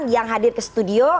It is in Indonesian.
yang hadir ke studio